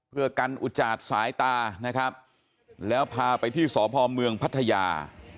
เพื่อกันอุจจาดสายตานะครับแล้วพาไปที่สพเมืองพัทยา